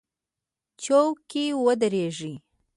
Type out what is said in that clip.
چوک کې ودرېږئ